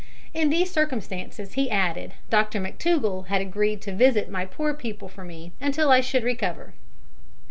In these circumstances, he added, Dr McTougall had agreed to visit my poor people for me until I should recover.